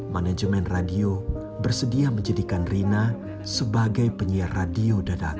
manajemen radio bersedia menjadikan rina sebagai penyiar radio dadakan